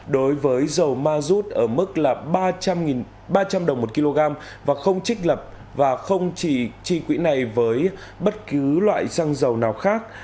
đối với dầu ma rút ở mức ba trăm linh đồng một kg và không trích lập và không trị quỹ này với bất cứ loại xăng dầu nào khác